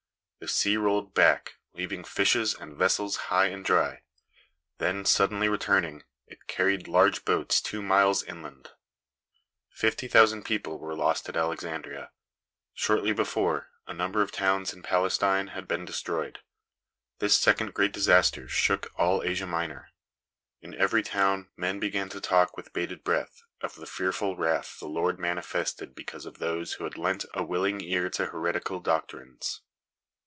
The sea rolled back, leaving fishes and vessels high and dry; then, suddenly returning, it carried large boats two miles inland. Fifty thousand people were lost at Alexandria. Shortly before, a number of towns in Palestine had been destroyed. This second great disaster shook all Asia Minor. In every town men began to talk, with bated breath, of the fearful wrath the Lord manifested because of those who had lent a willing ear to heretical doctrines.